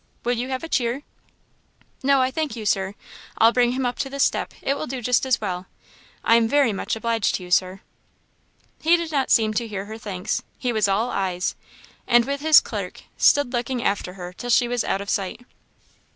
will you have a cheer?" "No, I thank you Sir; I'll bring him up to this step; it will do just as well. I am very much obliged to you, Sir." He did not seem to hear her thanks; he was all eyes; and, with his clerk, stood looking after her till she was out of sight.